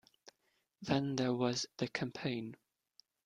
Then there was the campaign.